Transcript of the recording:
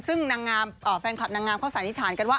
ซึ่งนางงามแฟนคลับนางงามเขาสันนิษฐานกันว่า